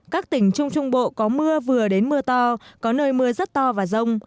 các tỉnh trung trung bộ có mưa vừa đến mưa to có nơi mưa rất to và rông